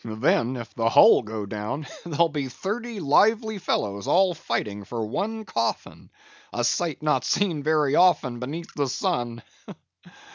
Then, if the hull go down, there'll be thirty lively fellows all fighting for one coffin, a sight not seen very often beneath the sun!